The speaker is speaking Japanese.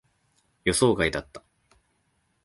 予想外だった。